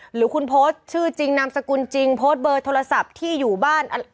หรือคุณโพสต์ชื่อจริงนามสกุลจริงโพสต์เบอร์โทรศัพท์ที่อยู่บ้าน